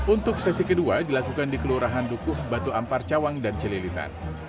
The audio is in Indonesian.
untuk sesi kedua dilakukan di kelurahan dukuh batu ampar cawang dan celilitan